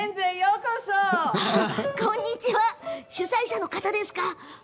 主催者の方ですか？